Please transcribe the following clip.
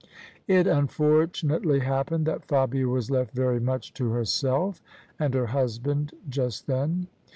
It unfortunately happened that Fabia was left very much to herself and her husband just then.